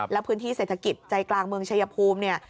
แล้วพื้นที่เศรษฐกิจใจกลางเมืองชายภูมิเนี่ย